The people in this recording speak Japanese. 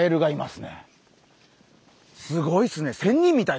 すごいっすね。